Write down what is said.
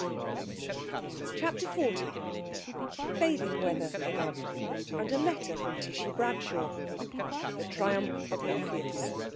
CHAPTER XL BATHING WEATHER AGAIN, AND A LETTER FROM TISHY BRADSHAW. THE TRIUMPH OF ORPHEUS.